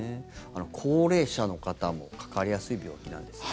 高齢者の方もかかりやすい病気なんですか。